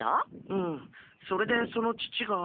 うんそれでその父が。